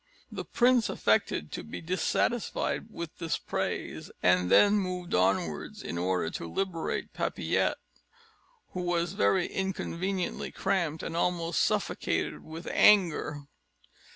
The prince affected to be dissatisfied with this praise, and then moved onwards in order to liberate Papillette, who was very inconveniently cramped, and almost suffocated with anger.